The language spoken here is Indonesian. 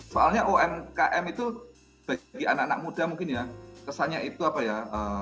soalnya umkm itu bagi anak anak muda mungkin ya kesannya itu apa ya